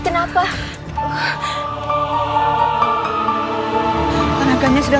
kalau begitu kita harus pergi